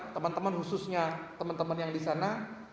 teman teman khususnya teman teman yang disana